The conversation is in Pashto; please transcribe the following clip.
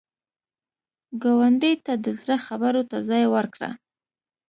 ګاونډي ته د زړه خبرو ته ځای ورکړه